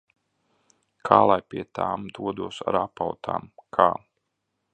Kā lai pie tām dodos ar apautām? Kā?